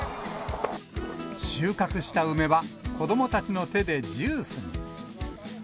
収穫した梅は、子どもたちの手でジュースに。